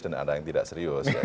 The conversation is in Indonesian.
dan ada yang tidak serius